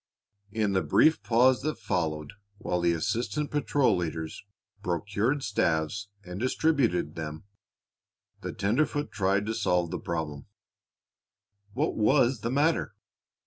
In the brief pause that followed while the assistant patrol leaders procured staves and distributed them, the tenderfoot tried to solve the problem. What was the matter?